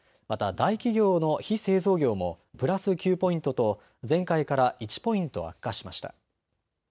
また大企業の非製造業もプラス９ポイントと前回から１ポイント悪化しました。